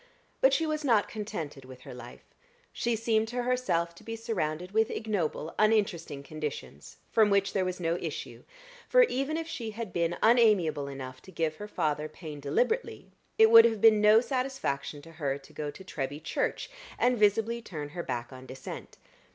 But she was not contented with her life; she seemed to herself to be surrounded with ignoble, uninteresting conditions, from which there was no issue; for even if she had been unamiable enough to give her father pain deliberately, it would have been no satisfaction to her to go to Treby church, and visibly turn her back on Dissent.